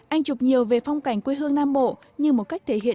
anh chụp nhiều về phong cảnh quê hương nam bộ như một cách thể hiện thật tình